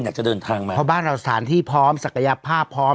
จะเดินทางมาเพราะบ้านเราสถานที่พร้อมศักยภาพพร้อม